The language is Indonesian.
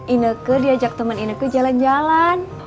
ineke diajak temen ineke jalan jalan